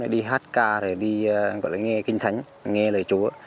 đi hát ca đi nghe kinh thánh nghe lời chúa